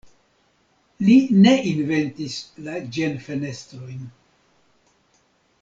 Li ne inventis la ĝen-fenestrojn.